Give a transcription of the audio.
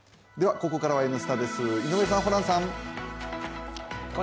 ここからは「Ｎスタ」です、井上さん、ホランさん。